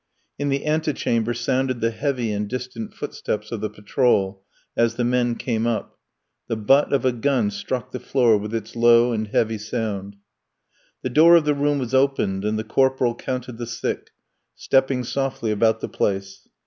In the ante chamber sounded the heavy and distant footsteps of the patrol as the men came up. The butt of a gun struck the floor with its low and heavy sound. The door of the room was opened, and the corporal counted the sick, stepping softly about the place.